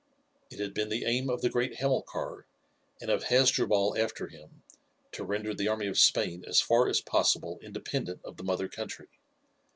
It had been the aim of the great Hamilcar, and of Hasdrubal after him, to render the army of Spain as far as possible independent of the mother country.